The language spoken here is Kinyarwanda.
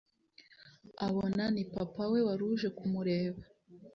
abona ni papa we waruje kumureba